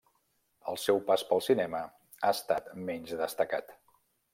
El seu pas pel cinema ha estat menys destacat.